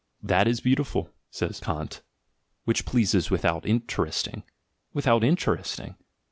"That is beautiful," says Kant, "which pleases without interesting." Without interesting!